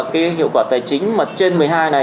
cái hiệu quả tài chính mà trên một mươi hai này